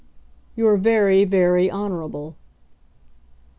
"You're very, very honourable."